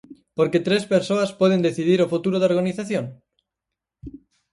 Por que tres persoas poden decidir o futuro da organización?